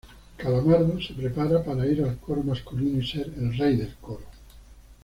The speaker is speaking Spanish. Calamardo se preparaba para ir al coro masculino y ser el rey del coro.